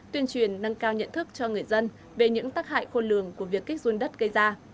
tuyên truyền nâng cao nhận thức cho người dân về những tác hại khôn lường của việc kích dùng đất gây ra